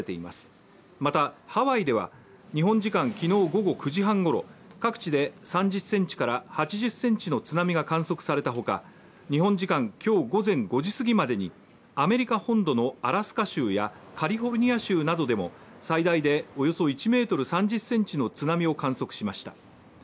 また、ハワイでは日本時間昨日午後９時半ごろ、各地で３０ｃｍから８０ｃｍの津波が観測された他日本時間、今日午前５時すぎまでにアメリカ本土のアラスカ州やカリフォルニア州でも最大でおよそ１ｍ３０ｃｍの津波を観測しました。